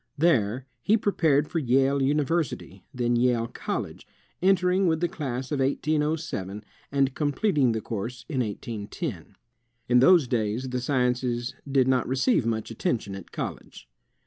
There he prepared for Yale University, then Yale College, entering with the class of 1807, and completing the course in 1810. In those days the sciences did not receive much atten tion at college.